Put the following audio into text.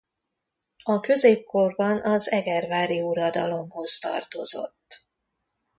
A középkorban az Egervári uradalomhoz tartozott.